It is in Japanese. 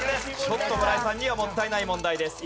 ちょっと村井さんにはもったいない問題です。